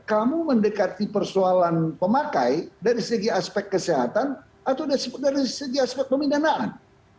kamu mendekati persoalan pemakai dari segi aspek kesehatan atau dari segi aspek pemindanaan